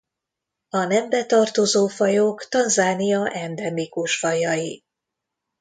A nembe tartozó fajok Tanzánia endemikus fajai.